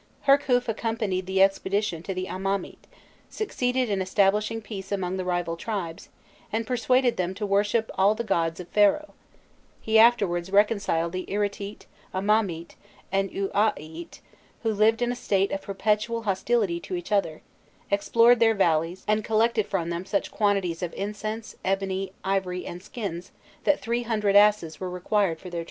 Hirkhûf accompanied the expedition to the Amamît, succeeded in establishing peace among the rival tribes, and persuaded them "to worship all the gods of Pharaoh:" he afterwards reconciled the Iritît, Amamît, and Ûaûaît, who lived in a state of perpetual hostility to each other, explored their valleys, and collected from them such quantities of incense, ebony, ivory, and skins that three hundred asses were required for their transport.